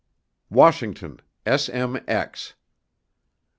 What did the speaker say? WASHINGTON, SM X.